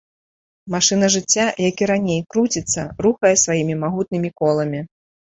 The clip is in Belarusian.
Машына жыцця, як і раней, круціцца, рухае сваімі магутнымі коламі.